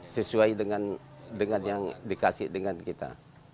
sesuai dengan yang dikasih dengan kita